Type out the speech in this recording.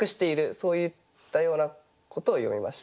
そういったようなことを詠みました。